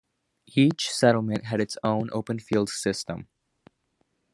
Each settlement had its own open field system.